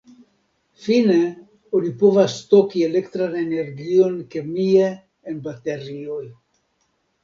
Fine, oni povas stoki elektran energion kemie en baterioj.